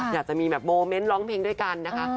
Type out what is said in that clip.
อยากจะมีแบบโมเมนต์ร้องเพลงด้วยกันนะคะ